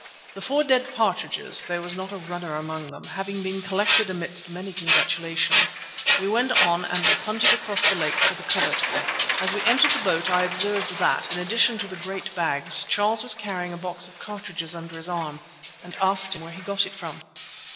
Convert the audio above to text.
The four dead partridges—there was not a runner among them—having been collected amidst many congratulations, we went on and were punted across the lake to the covert. As we entered the boat I observed that, in addition to the great bags, Charles was carrying a box of cartridges under his arm, and asked him where he got it from.